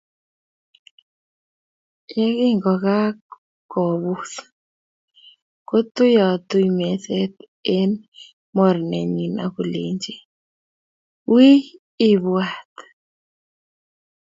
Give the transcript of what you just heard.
Ye kingokakobus, kotuiatui meset eng mornenyi akolechi, wiy ibwat